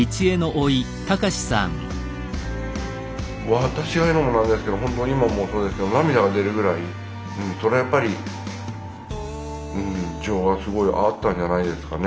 私が言うのもなんですけど本当に今もそうですけど涙が出るぐらいそれはやっぱり情がすごいあったんじゃないですかね。